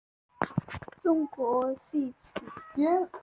中国细辛